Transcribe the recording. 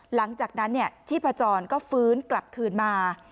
หลังจากนั้นชีพจรก็ฟื้นกลับคืนมา